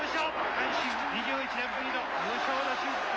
阪神、２１年ぶりの優勝の瞬間。